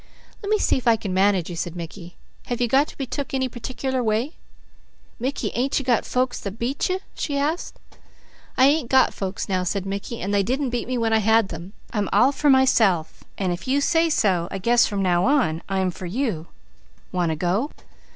"Lemme see if I can manage you," said Mickey. "Have you got to be took any particular way?" "Mickey, ain't you got folks that beat you?" she asked. "I ain't got folks now," said Mickey, "and they didn't beat me when I had them. I'm all for myself and if you say so, I guess from now on, I'm for you. Want to go?"